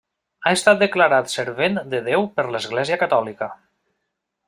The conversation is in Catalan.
Ha estat declarat servent de Déu per l'Església catòlica.